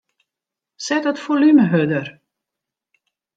Set it folume hurder.